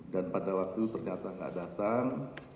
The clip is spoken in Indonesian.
dan pada waktu ternyata enggak datang